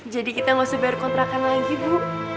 jadi kita gak usah bayar kontrakan lagi bu